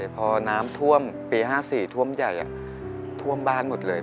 พอน้ำท่วมปี๕๔ท่วมใหญ่ท่วมบ้านหมดเลย